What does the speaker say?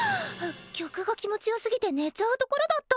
曲が気持ちよすぎて寝ちゃうところだった。